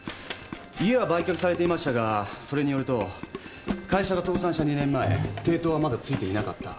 家は売却されていましたがそれによると会社が倒産した２年前抵当はまだついていなかった。